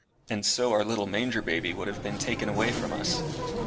And so our little manger baby would have been taken away from us.